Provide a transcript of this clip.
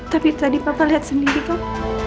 tapi tadi papa lihat sendiri kok